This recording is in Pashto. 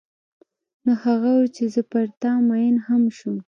نو هغه و چې زه پر تا مینه هم شوم.